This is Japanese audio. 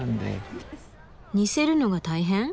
似せるのが大変？